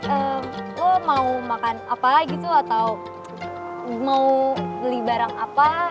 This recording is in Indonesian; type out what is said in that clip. eh lo mau makan apa gitu or mau beli barang apa